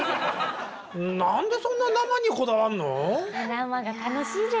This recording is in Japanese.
何でそんな生にこだわるの？